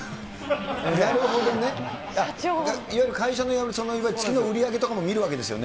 なるほどね。いわゆる会社の月の売り上げとかも見るわけですよね。